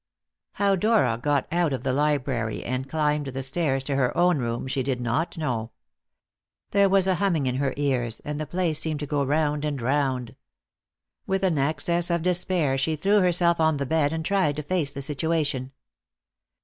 How Dora got out of the library and climbed the stairs to her own room she did not know. There was a humming in her ears, and the place seemed to go round and round. With an access of despair she threw herself on the bed, and tried to face the situation.